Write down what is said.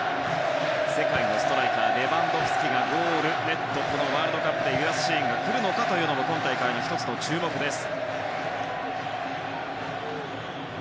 世界のストライカーレバンドフスキがゴールネットをこのワールドカップで揺らすシーンが来るのかというのも今大会１つの注目です。